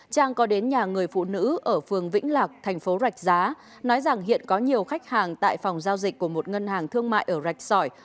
trang có đến nhà người phụ nữ ở phường vĩnh lạc thành phố rạch giá nói rằng hiện có nhiều khách hàng tại phòng giao dịch của một ngân hàng thương mại ở rạch sỏi